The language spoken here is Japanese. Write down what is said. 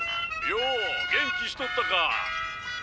「よお元気しとったか」